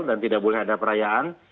dan tidak boleh ada perayaan